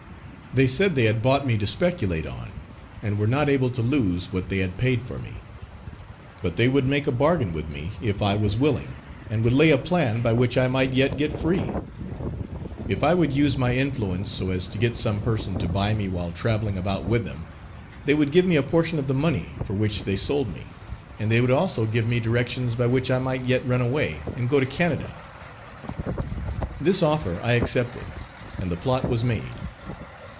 They said they had bought me to speculate on, and were not able to lose what they had paid for me. But they would make a bargain with me, if I was willing, and would lay a plan, by which I might yet get free. If I would use my influence so as to get some person to buy me while traveling about with them, they would give me a portion of the money for which they sold me, and they would also give me directions by which I might yet run away and go to Canada. This offer I accepted, and the plot was made.